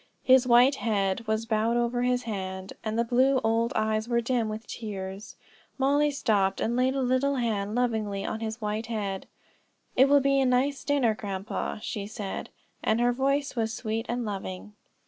His white head was bowed over his hand, and the blue old eyes were dim with tears. Mollie stopped and laid a little hand lovingly on his white head. "It will be a nice dinner, grandpa;" she said, and her voice was sweet and loving.